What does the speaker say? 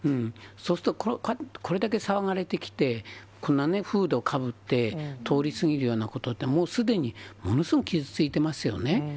そうすると、これだけ騒がれてきて、こんなね、フードをかぶって、通り過ぎるようなことって、もうすでにものすごく傷ついてますよね。